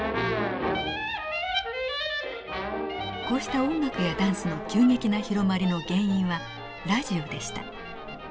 こうした音楽やダンスの急激な広まりの原因はラジオでした。